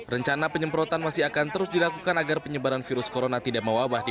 rencana penyemprotan masih akan terus dilakukan agar penyebaran virus corona tidak mewabah di